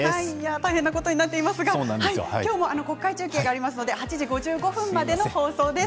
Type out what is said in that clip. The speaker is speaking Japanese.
大変なことになっていますが今日も国会中継がありますので８時５５分までの放送です。